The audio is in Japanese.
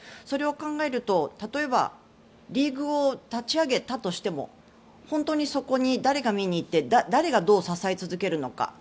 それを考えると例えば、リーグを立ち上げたとしても本当にそこに誰が見に行って誰がどう支え続けるのか。